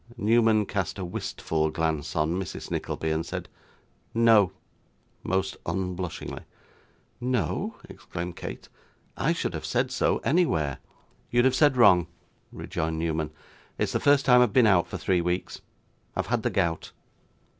Newman cast a wistful glance on Mrs. Nickleby and said 'No,' most unblushingly. 'No!' exclaimed Kate, 'I should have said so anywhere.' 'You'd have said wrong,' rejoined Newman. 'It's the first time I've been out for three weeks. I've had the gout.